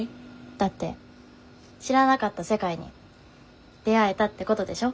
だって知らなかった世界に出会えたってことでしょ。